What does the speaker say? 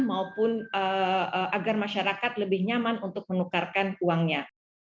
maupun agar masyarakat lebih nyaman untuk menukarkan uangnya